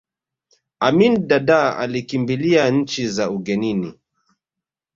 amin dadaa alikimbilia nchi za ugenini